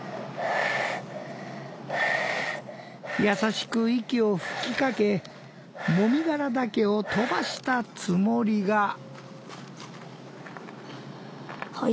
優しく息を吹きかけもみ殻だけを飛ばしたつもりが。